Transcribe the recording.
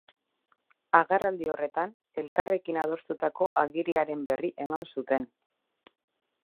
Agerraldi horretan, elkarrekin adostutako agiriaren berri eman zuten.